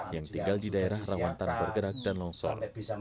yang tinggal di daerah rawan tanah bergerak dan longsor